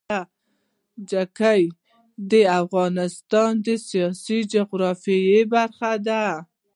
جلګه د افغانستان د سیاسي جغرافیه برخه ده.